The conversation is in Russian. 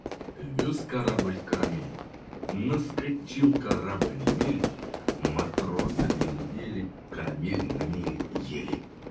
Вез корабль карамель, наскочил корабль на мель, матросы две недели карамель на мели ели.